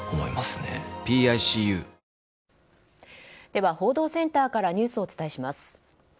では、報道センターからニュースをお伝えします。